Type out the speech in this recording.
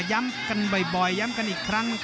ย้ำกันบ่อยย้ำกันอีกครั้ง